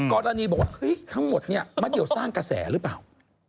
กรณีบอกว่าเฮ้ยทั้งหมดเนี่ยมันเดี๋ยวสร้างกระแสหรือเปล่า